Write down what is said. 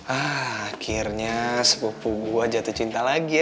akhirnya sepupu gue jatuh cinta lagi ya